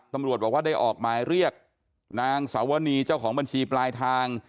ตำรวจบอกว่าได้ออกหมายเรียกนางสาวนีเจ้าของบัญชีปลายทาง